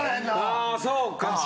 ああそうか。